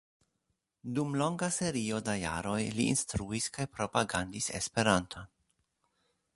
Dum longa serio da jaroj li instruis kaj propagandis Esperanton.